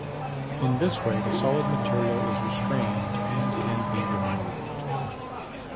In this way the solid material is restrained and can be removed.